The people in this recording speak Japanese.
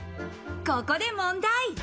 ここで問題。